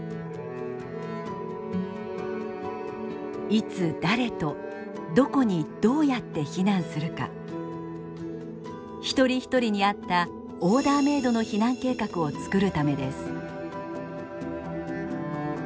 いつ誰とどこにどうやって避難するか一人一人に合ったオーダーメイドの避難計画を作るためです。